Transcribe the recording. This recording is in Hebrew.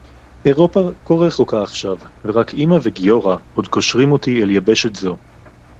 אירופה כה רחוקה עכשיו, ורק אמא וגיורא עוד קושרים אותי אל יבשת זו.